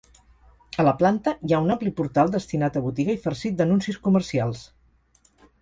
A la planta hi ha un ampli portal destinat a botiga i farcit d'anuncis comercials.